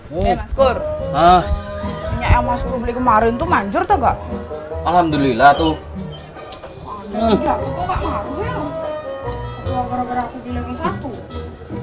woi maskur ahnya emas kubli kemarin tuh manjur toh enggak alhamdulillah tuh